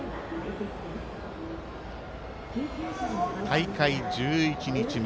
大会１１日目。